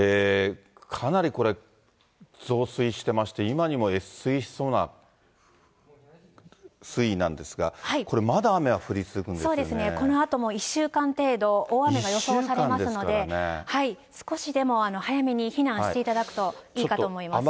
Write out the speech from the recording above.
かなりこれ、増水してまして、今にも越水しそうな水位なんですが、これ、そうですね、このあとも１週間程度、大雨が予想されますので、少しでも早めに避難していただくといいかと思います。